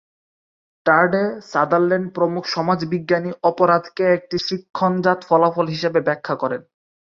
টার্ডে, Sutherland প্রমুখ সমাজবিজ্ঞানী অপরাধকে একটি শিক্ষণজাত ফলাফল হিসেবে ব্যাখ্যা করেন।